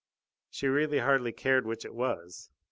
She really hardly cared which it was.